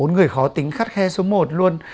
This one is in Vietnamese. bốn người khó tính khắt khe số một luôn